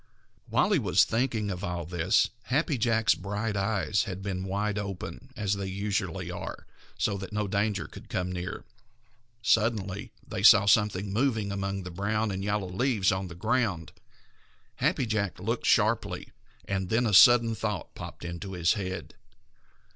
While he was thinking of all this, Happy Jack's bright eyes had been wide open, as they usually are, so that no danger should come near. Suddenly they saw something moving among the brown and yellow leaves on the ground. Happy Jack looked sharply, and then a sudden thought popped into his head.